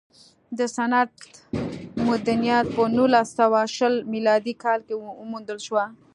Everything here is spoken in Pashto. د سند مدنیت په نولس سوه شل میلادي کال کې وموندل شو